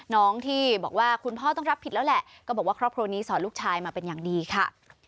น้องที่บอกว่าคุณพ่อต้องรับผิดแล้วแหละก็บอกว่าครอบครัวนี้สอนลูกชายมาเป็นอย่างดีค่ะ